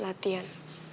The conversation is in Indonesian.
sibuk banget latihan